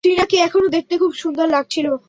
ট্রিনাকে এখনো দেখতে খুব সুন্দর লাগছিল।